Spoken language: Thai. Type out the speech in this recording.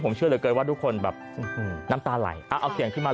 อยู่เพื่อทำความดีนี่คือวิธีของคนกู่ไพร